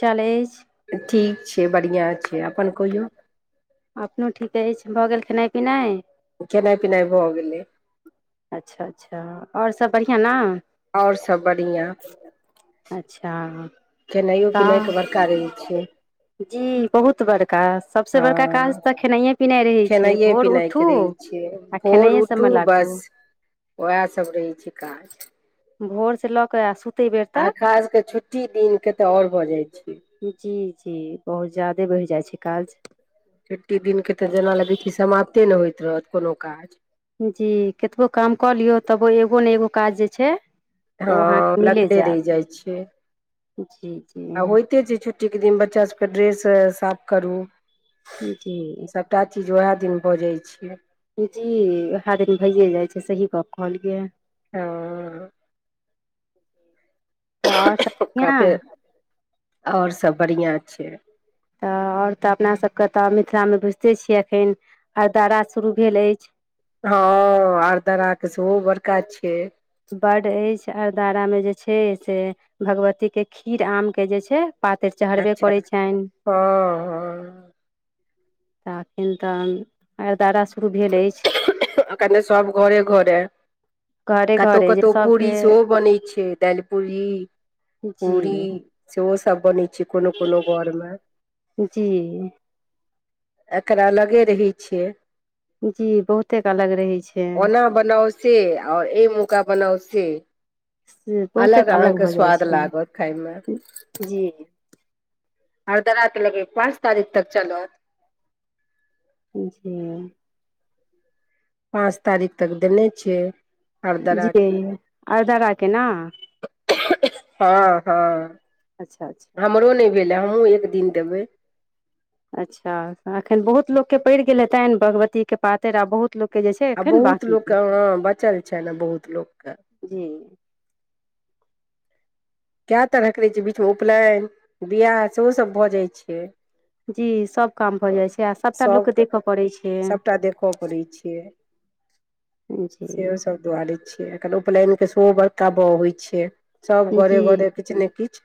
चलेज ठीक छै बढ़िआँ छै अपन कहियौ अपनो ठीक अछि भऽ गेल खेनाइ पिनाइ खेनाइ पिनाइ भऽ गेलय अच्छा अच्छा आओर सब बढ़िआँ न आओर सब बढ़िआँ अच्छा हँ खेनाइयो पिनाइके बड़का रहै छै जी बहुत बड़का सबसे बड़का काज हँ तऽ खेनाइए पिनाइ रहै छै खेनाइये भोर पिनाइ के उठू रहै आ भोर खेनाइए सबमे उठू लागू बस उएह सब रहै छै काज भोर से लऽ के आ सुत आ खास के छुट्टी दिनक के तऽ आओर भऽ जाइ छै जी जी बहुत ज्यादे बढ़ जाइ छै काज छुट्टी दिनके तऽ जेना लगै छै समाप्ते नहि होइत रहत कोनो काज जी कतबो काम कऽ लियौ तबो एगो ने एगो काज जे छै ओ हँ अहाँके मिले लगले जायत रहि जाइ छै जी आ जी होइते छै जे छुटटीे दिन बच्चा सबके ड्रेस साफ करु जी सभटा चीज वएह दिन बजय छीये जी वएह दिन भैये जाइ छै सही गप कहलियै हँ तऽ आओर सब बढ़िया आओर सब बढ़िआँ छै तऽ आओर तऽ अपनासभके तऽ मिथिलामे बुझिते छियै एखन अरदारा शुरू भेल अछि हँ आरदारा के सेहो बड़का छिय ब्ड अछि आरदारामे जे छै से भगवतीके खीर आमके जे छै पाते चड़बे अच्छा करय छनि हँ हँ तखन तऽ अरदारा से ओ सब घरे घरे घरे कतहु घरे जे कतहु पूरी सबके सेहो बनै छै दालि पूरी जी पूरी सेहो सब बनैत छै कोनो कोनो घर मे जी एकरा लगे रहय छियै जी बहुतेक अलग रहै छै ओना बनाओल से आओर ए मुका बनाउ से से अलग बहुतेक अहाँके भऽ जाइ स्वाद छै लागत खायमे जी जी आरदरा त लगे पाँच तारिख तक चलो जी पाँच तारीख तक देने छियै जी आरदारा ने हँ हँ अच्छा अच्छा हमरो नहि भेल हमहहुँ एक दिन देबय अच्छा एखन बहुत लोकके पड़ि गेल हेतनि भगवतीक के पातरि आ बहुत लोक जे छै आ एखन बहुत बाँकी अइ लोकके हां बचल छ ने बहुत लोकके जी कए तरहके रहैत छै बीचमे उपनयन बियाह सेहोसभ भऽ जाइत छै जी सभ काम भऽ तऽ जाइ छै आ सभटा लोकके सभके देखय पड़ै छै सभटा देखय पड़ै छीये जी सेहोसभ दुआरैत छियै एखन उपनयनके सेहो बड़का बाउ होइ छै सभ जी घरे घरे किछु ने किछु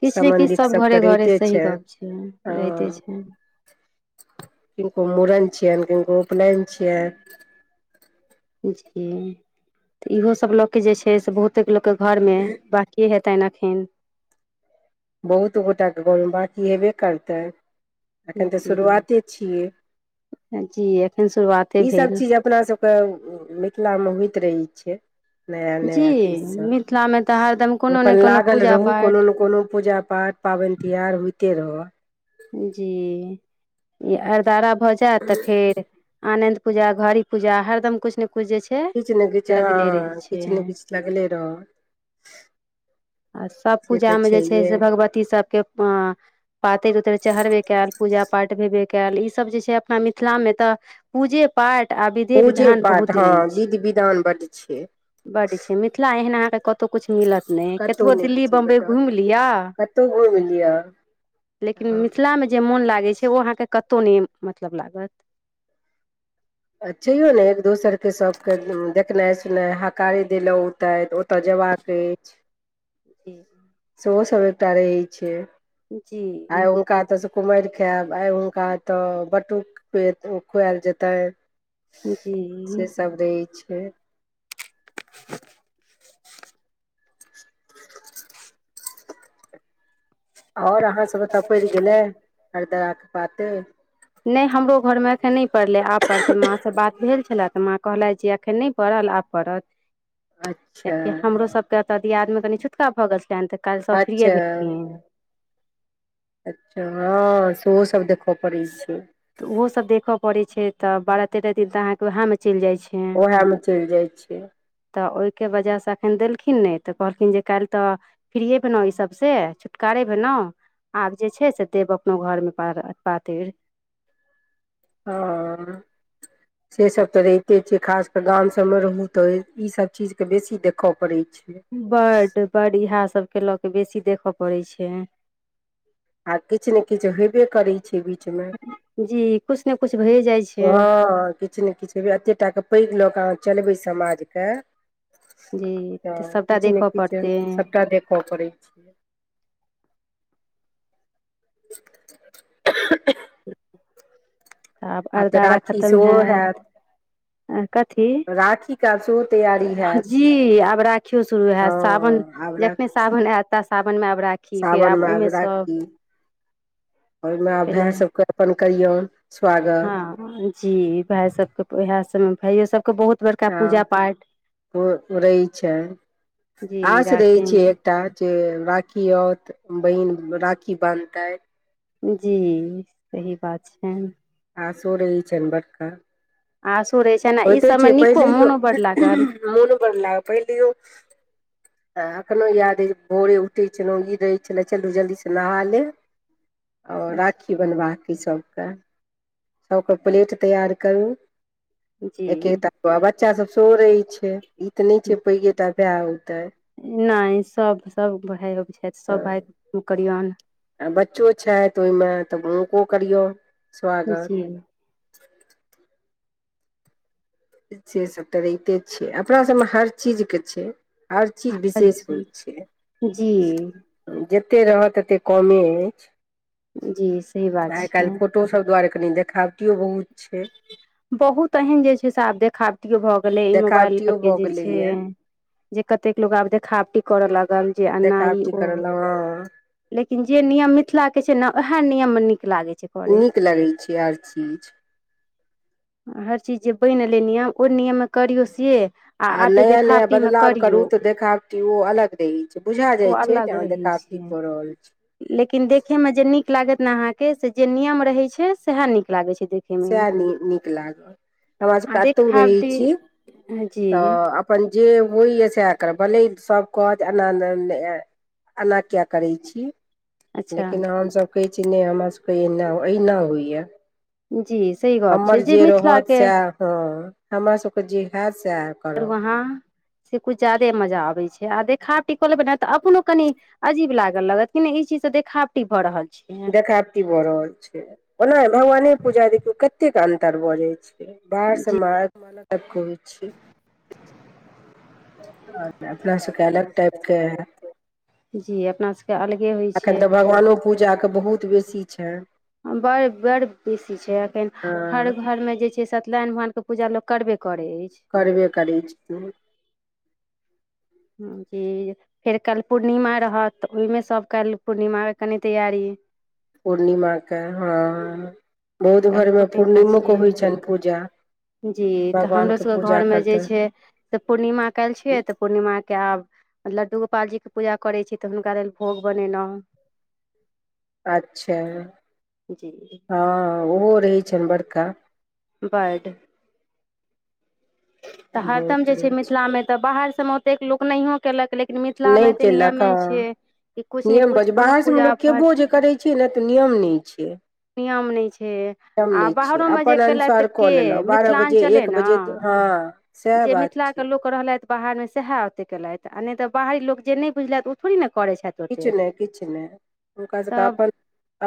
किछु ने किछु सम्बन्धित सभ सभके घरे घरे रहिते सही छै गप रहिते हँ छै किनको मूड़न छियनि किनको उपनयन छियनि तऽ इहो सब ल के जे छै से बहुते लोकके घर मे की हेतनि एखन बहुत गोटाके गाँवमे बाँकी हेबे करतै जी अखन तऽ शुरुआते छियै जी एखन शुरुआते ई सब भेल चीज अपना सबके मिथिलामे होइत रहै छै नया जी नया चीज मिथिलामे तऽ हरदम सब कोनो ने अपन कोनो लागल पूजा रहू कोनो पाठ ने कोनो पूजा पाठ पाबनि त्योहार होइते रहऽ जी अरदारा भऽ जायत तऽ फेर आनंद पूजा घड़ी पूजा हरदम कुछ ने कुछ जे छै किछु ने किछु लगले रहै हँ छै किछु ने किछु लगले रह आ सभ पूजामे जे छै छैहे से भगवती सबके अ पातरि उतरि चढ़बे कयल पूजा पाठ भेबे कयल ईसभ जे छै अपना मिथिलामे तऽ पूजे पाठ आ विधि पूजे विधान पाठ बहुत हँ अछि विध विधान बड्ड छै बड्ड छै मिथिला एहन अहाँके कतहु किछु मिलत नहि कतबो दिल्ली बम्बइ घूमी लिअ कतो घूम लिय लेकिन मिथिलामे जे मोन लागै छै ओ अहाँके कतौ नहि मतलब लागत अ छैयो ने एक दोसर के सबके देखनाइ सुनाइ हकारी देलहु उते ओतय जेबाक [unintelligible] [unintelligible] सेहो सभ एकटा रहै छै जी आइ हुनका ओतऽसँ कुमारि खायब आइ हुनकात बटुक पे खुयाल जेतय जी दै छै [inaudible] आओर अहाँसभतऽ पड़ि गेलै अरदराके पातैर नहि हमरो घर मे एखन नहि पड़लै आब पड़ते माँ से बात भेल छले तऽ माँ कहलथि जे अखन नहि पड़ल आब अच्छा कियकि हमरो सबके तऽ दियाद में कनि छुटका भऽ गेल छलै काल्हि सब फ्रिए अच्छा भेलखिन अच्छा हँ सेहो सभ देखऽ पड़ैत छै तऽ ओहो सब देखय पड़े छै त बारह तेरह दिन तऽ अहाँ के वहै मे चलि जाय छै ओहैमे चइल जाइ छियै तऽ ओइके वजहसँ एखन देलखिन नहि तऽ कहलखिन जे काल्हि तऽ फ्रियए भेलहु ई सबसे छुटकारे भेलेहु आब जे छै से देब अपनो घरमे पातइर ओ [inaudible] से सब तऽ रहिते छय खास कऽ गाम सबमे रहू तऽ ई सब चीजके बेसी देखऽ पड़ै छै बड बड इहै सब के लऽ के बेसी देखय पड़य छै आ किछु ने किछ हेबे करै छै बीचमे जी किछु ने किछु भए जाइत छै हँ कि किछ ने किछ एते टा के पैघ लोके आहा चलबै समाज में जी तऽ सभटा किछ ने देखऽ किछ पड़तै सबटा देखऽ पड़ै [inaudible] तऽ आब तऽ अरदारा राखी खतम सेहो हैत अथी राखी क सुर जी आब राखियो शुरू हैयत हँ सावन जखने सावन एत ता सावन मे आब राखी फेर सावन में आब ओहिमे सभ राखी ओहि में आब पहिले भय सबके अपन करियौन स्वागत जी भय सबके वएह सबमे भइयो सबके बहुत बड़का हँ पूजा पाठ ओ रहै छै जी आस रहै छिय राखीमे एकटा जे राखी आओत बहिन राखी बान्हतैत जी सही बात छैन आसूर ई चनबरका आ सो रइसन होइते छै पहिलेओ मोन बनला पहिलेओ आ एखनहु याद होइ भोरे उठै छलहुँ ई रहै छलै चलू जल्दीसँ नहा ले ओर अच्छा बनबाक बनबाक सबके आ ओकर प्लेट तैयार करू जी एकैटा बच्चा सब सेहो रहै छै ई तऽ नइ छै पैघे टा भए औतै नय सब सब भाई अबइ छइथ सभ भाई करियअन आ बच्चो छथि ओहिमे तऽ हूनको करियौ जी स्वागत सेसब तऽ रहिते छै अपनासबमे हर चीजके छै हर चीज विशेष होइ जी छै जते रहत तते कमे अइ जी से बात छै तो सब दुआरे कनि देखावटियो बहुत छै बहुत एहन जे छै से आब देखाबटियो भऽ गेलै ई मोबाइल देखावटियो के भऽ जे छै गेलैए जे कतेक लोग आब देखावटी करऽ लागल जे एना ई देखावटी ओ करल हँ लेकिन जे नियम मिथिला के छै न उएह नियम मे नीक लागे छै करैत नीक लगै छै हर चीज हर चीज जे बैन एलै नियम ओ नियममे करियौ से आ आब जे नया नया देखावटीमे बदलाव करू करियौ तऽ देखावटी ओ अलग रहै छै बुझा ओ जाय छै अलग जे अहाँ रहै देखावटी की छै कऽ रहल छि लेकिन देखे में जे नीक लागत ने अहाँ के से जे नियम रहय छै सएह नीक लागे छै देख सएह नी नीक लागल हमरा आ सबके कतहु रहै देखावटी छी जी तऽ अपन जे होइ य साह करब भले सब कह आनन्द एना किया करै छी अच्छा लेकिन हमसभ कहै छी नहि हमर सबके एना एहिना होइए जी सही गप हमर छै जे रहत मिथिलाके साह हँ हमर सबके जे हैत सएह आर करब वहाँ से कुछ ज्यादे मजा आबे छै आ देखाबटिखो लेबै ने तऽ अपनो कनि अजीब लागल लागत कि नहि ई चीजसँ देखावटी भऽ रहल छै ब रहल छै ओना भगवाने पूजा देखियऔ कतेक अंतर भ जाय छै बाहर से जी मार माल कहै छै अपना सबके अलग टाइपके जी अपना सबके अलगे होइ एखन छै तऽ भगवानो पूजाके बहुत बेसी छै बड़ बड़ बेसी छै एखन हर हँ घरमे जे छै सत्यनारायण भगवान पूजा लोग करबे करै अछि करबे करै छै जी फेर काल्हि पूर्णिमा रहत ओहिमे सब काल्हि पूर्णिमाके कनि तैयारी पूर्णिमाके हँ बहुत काल्हि घर मे पूर्णिमा पूर्णिमोके छियै होइ छल पूजा जी तऽ भगवान हमरो के सबके पूजा घरमे जे करतै छै से पूर्णिमा कयल छियै तऽ पूर्णिमा के आब लड्डू गोपाल जी के पूजा करै छी तऽ हुनका लेल भोग बनेलहु [inaudible] अच्छा जी हँ ओहो रहै छनि बड़का [inaudible] तऽ बहुत रहै बाहर सबमे ओतेक लोग नहियो केलक लेक नहि कलक हँ कि किछु ने नियम किछु बाजू कोनो बाहर सेमे पूजा लोक पाठ केबो जे करै छै ने तऽ नियम नहि छै पूर्णिया मे नहि छै नियम आ नहि छै बाहर मे जे अपन केलक कऽ लेलहु बारह बजे एक बजे हँ सएह जे बात मिथिला छै के लोग रहलथि बाहरमे साह ओतेक कयेलथि आ नहि तऽ बाहरी लोक जे नहि बुझलथि ओ थोड़े ने करै छथि किछ ओतेक नहि किछ नहि हुनका सभके तऽ अपन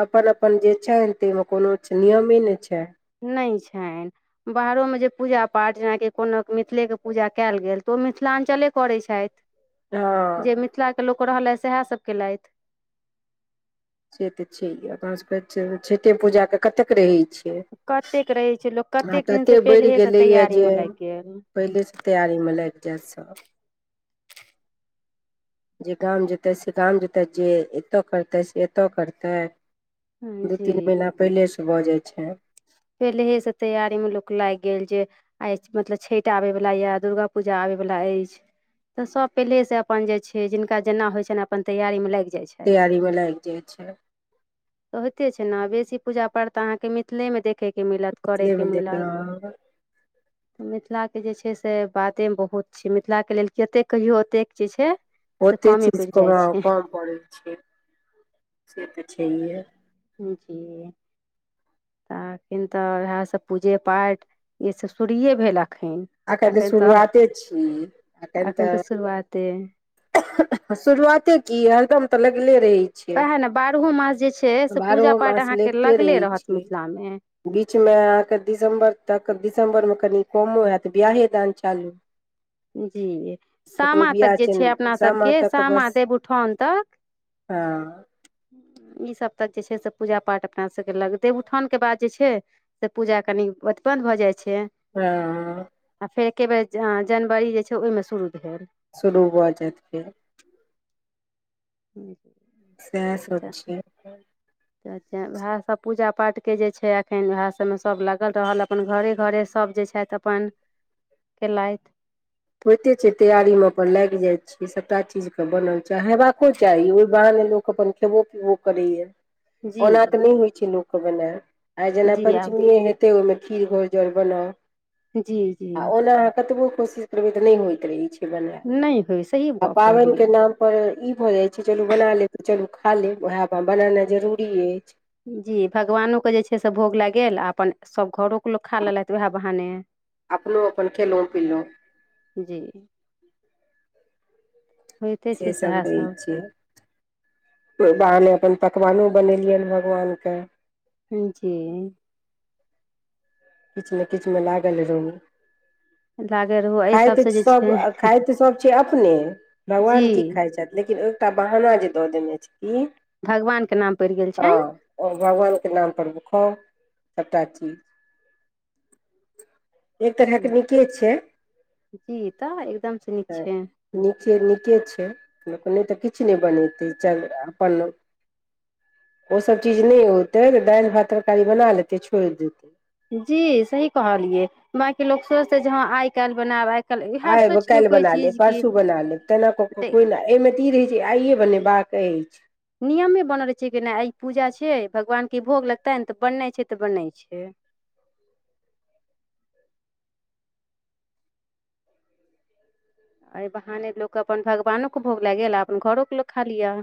अपन अपन जे छै ताहिमे कोनो नियमे नहि छै नहि छै बाहरोमे जे पूजा पाठ जेनाकि कोनो मिथिलेके पूजा कयल गेल तऽ ओ मिथिलाञ्चले करैत छथि ओह मिथिला के लोग रहले सएह सब केलथि से ते छै अपना सबके छठे पूजा के कतेक रहै छै कतेक रहै छै लोक आ कतेक त दिन से एतेक बेढ़ पहिलेसँ गेलैए तैयारीमे जे लागि पहिलेसँ तैयारीमे लागि जायत सब जे गाम जेतै से गाम जेतै जे एतय करतै से एतय करतै गेल दू तीन जी महिीना पहिलेसँ भऽ छै पहिले हे। से तैयारी मे लोक लागि गेल छै आइ मतलब छै ठ आबयवला यए दुर्गा पूजा आबयवला अछि तऽ सब पहिले से अपन जेय छै जिनका जेना होय छ ने अपने तैयारी मे लाग जाय छै तैयारी मे लागि जाइ छै तऽ होइते छै ने बेसी पूजा पाठ तऽ अहाँके मिथिलेमे देख देखेके मिलत करे एतबे के मे देख मिलत बहुते तऽ मिथिलाके जे छै से बातेमे बहुत छै मिथिलाके लेल कतेक कहियौ ओतेक जे छै से ओते कमे चीज पड़ि कम जाइ छै पड़ै छै से तऽ छैेहे ठीके आ एखन तऽ इएह सभ पूजे पाठ ई सभ शुरुए भेले एखन एखन तऽ शुरुआते छी एखन तऽ शुरुआते की हरदम तऽ लगले रहै छियै वएह ने बारहो मास जे छै से बारहो पूजा पाठ मास अहाँके लगिते लगले रहै रहत छियै मिथिलामे बीचमे अहाँके दिसम्बर तक दिसम्बरमे कनी कमो हैत बियाहे दान चालू [inaudible] जी ककरो सामा तक बियाह जे छै चलि अपना सामा सबके तक सामा बस देब उठान तक हँ ईसभ तक जे छै से पूजा पाठ अपना सभके लग देव उठानके बाद जे छै से पूजा कनी उत्पन्न भऽ जाइ छै हँ आ फेर एके बेर जनवरी जे छै ओहिमे शुरू भेल शुरू भऽ जाइतके हूंम्म सएह सब छै उएह सभ पूजा पाठके जे छै अखन उएह सभमे सभ लागल रहल अपन घरे घरे सभ जे छथि अपन केलथि होइते छै तैयारीमे अपन लागि जाइत छियै सभटा चीज तऽ बनल छै आ हेबाको चाही ओहि बहाने लोक अपन खेबो पीबो करैए जी ओना तऽ नहि होइ छै लोकके बनाय आइ जेना जी आब पञ्चमीए हेत के ओहिमे खीर घर जौर बनाउ जी जी आ ओना अहाँ कतबो कोशिश करबै तऽ नहि होइत रहै छै बनायल नहि होय सही आ गप पाबनिके कहलियै नाम ओ ई भऽ जाइ छै चलू बना लेब तऽ चलू खा लेब वएहमे बनेनाइ जरूरी अछि। जी भगवानो के जे छै से भोग लगि गेल आ अपन सब घरो लोक खा लेलथि उहे बहाने अपनो अपन खेलहुँ पिलहुँ जी होइते छै सेसभ सएह रहै सब छियै एहि बहाने अपन पकवानो बनेलियनि भगवानके जी किछु ने किछुमे लागल रहु लागे रहू एहि खाइ तऽ सबसँ जे सब छै खाइत तऽ सब छै अपने जी भगवान की खाइत छथि लेकिन एक एकटा बहाना जे दऽ देने छथिन भगवान के नाम पड़ि गेल छनि आ भगवानके नामपर भुखाउ सभटा चीज एक तरहके नीके छै जी तऽ एकदमसँ नीक तऽ छै नीके नीके छै लोक नहि तऽ किछु नहि बनेतै चलि अपन ओसभ चीज नहि होतै तऽ दालि भात तरकारी बना लेतै छोड़ि देतै जी सही कहलियै बाँकी लोक सोचतै जे हँ आइ काल्हि बनैब आइ काल्हि इएह आइ सोचि लियौ कोइ काल्हिबनाल लेब चीज कि परसू बना लेब तेना को कोइ नहि तऽ एहिमे तऽ ई रहै छै आइए बनेबाक अछि नियमे बनल रहै छै कि नहि आइ पूजा छियै भगवानके भोग लगतैनि तऽ बननाइ छै तऽ बनइ छै अइ बहाने लोक अपन भगवानोके भोग लगेलक आ अपन घरोके लोक खा लिय